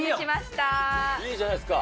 いいじゃないですか。